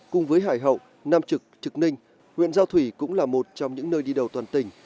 cùng với hải hậu nam trực trực ninh huyện giao thủy cũng là một trong những nơi đi đầu toàn tỉnh